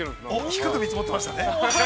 ◆低く見積もってましたね。